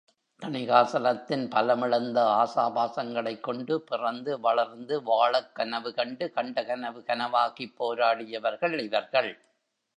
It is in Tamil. தணிகாசலத்தின் பலமிழந்த ஆசாபாசங்ளைக் கொண்டு பிறந்து, வளர்ந்து, வாழக் கனவுகண்டு, கண்ட கனவு கனவாகிப் போராடியவர்கள் இவர்கள்!